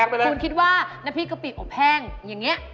คุณคิดว่าน้ำพริกกะปิอบแห้งอย่างนี้